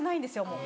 もう。